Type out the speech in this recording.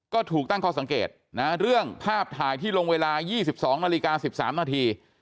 ก็ถูกตั้งข้อสังเกตนะเรื่องภาพถ่ายที่ลงเวลา๒๒นาฬิกา๑๓นาที